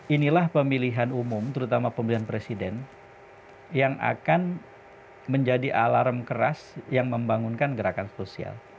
inilah pemilihan umum terutama pemilihan presiden yang akan menjadi alarm keras yang membangunkan gerakan sosial